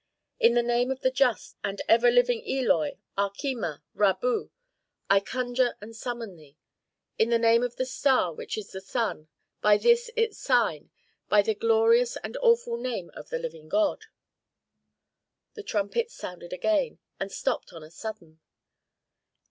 "In the name of the just and ever living Eloy, Archima, Rabu, I conjure and summon thee. In the name of the star, which is the sun, by this its sign, by the glorious and awful name of the living God." The trumpets sounded again, and stopped on a sudden.